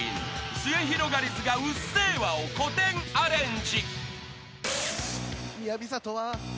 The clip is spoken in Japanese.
すゑひろがりずが『うっせぇわ』を古典アレンジ］